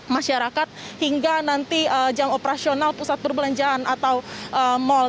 masyarakat hingga nanti jam operasional pusat perbelanjaan atau mal